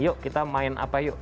yuk kita main apa yuk